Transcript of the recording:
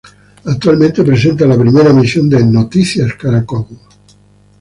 Actualmente presenta la primera emisión de "Noticias Caracol".